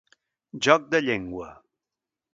Joc de llengua.